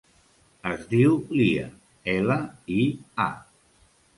Es diu Lia: ela, i, a.